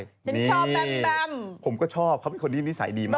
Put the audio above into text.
เป็นชอบแบมผมก็ชอบเขาเป็นคนที่นิสัยดีมาก